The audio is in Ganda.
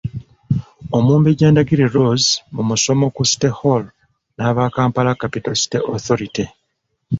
Omumbejja Ndagire Rose mu musomo ku City Hall n'aba Kampala Capital City Authority.